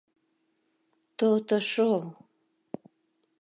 — То-то шол!